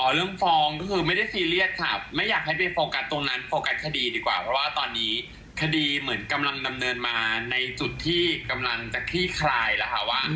เรื่องฟ้องก็คือไม่ได้ซีเรียสค่ะไม่อยากให้ไปโฟกัสตรงนั้นโฟกัสคดีดีกว่าเพราะว่าตอนนี้คดีเหมือนกำลังดำเนินมาในจุดที่กำลังจะคลี่คลายแล้วค่ะว่า